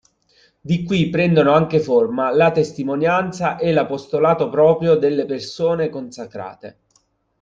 Di qui prendono anche forma la testimonianza e l'apostolato proprio delle persone consacrate.